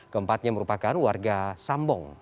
keempatnya merupakan warga sambong